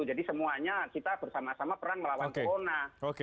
jadi semuanya kita bersama sama perang melawan corona